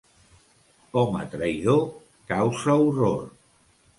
Home traïdor... causa horror.